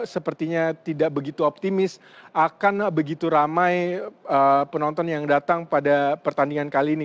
sepertinya tidak begitu optimis akan begitu ramai penonton yang datang pada pertandingan kali ini